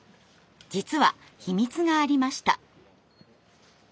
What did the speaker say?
実は秘密がありました。